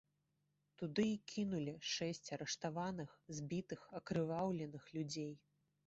Туды і кінулі шэсць арыштаваных, збітых, акрываўленых людзей.